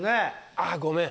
あっごめん